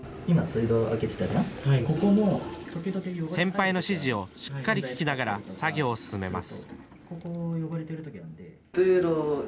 今、先輩の指示をしっかり聞きながら作業を進めます。